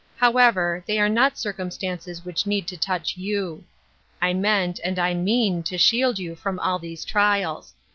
However, they are not circum stances which need to touch you. I meant and I mean to shield you from all these trials.